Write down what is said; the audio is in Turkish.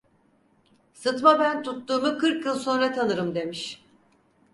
Sıtma ben tuttuğumu kırk yıl sonra tanırım demiş.